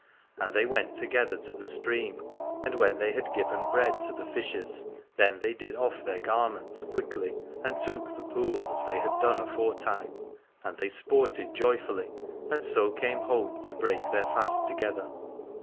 And they went together to the stream, and when they had given bread to the fishes, then they did off their garments quickly and took the pool as they had done aforetime : and they sported joyfully and so came home to break their fast together.